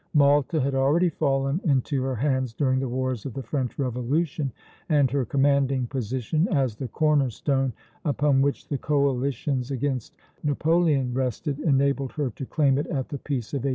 Malta had already fallen into her hands during the wars of the French Revolution, and her commanding position, as the corner stone upon which the coalitions against Napoleon rested, enabled her to claim it at the Peace of 1815.